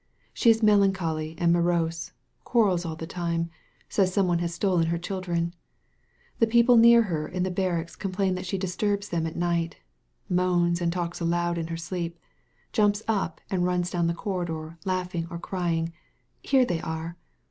She is melancholy and morose, quarrels all the time, says some one has stolen her children. The people near her in the barracks complain that she disturbs them at night, moans and talks aloud in her sleep, jumps up and runs down the corridor laughing or crying: 'Here they are!